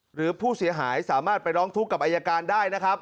หรือผู้เสียหายสามารถไปร้องทุกข์กับอายการได้นะครับ